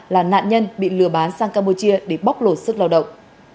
là nạn nhân bị lừa bán sang campuchia để bóc lột sức lao động